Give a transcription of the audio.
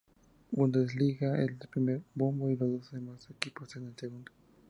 Bundesliga en el primer bombo y los demás equipos en el segundo.